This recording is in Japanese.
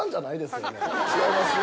違いますね？